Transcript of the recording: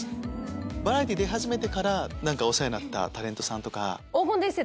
バラエティー出始めてからお世話になったタレントさん。